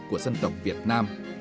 của dân tộc việt nam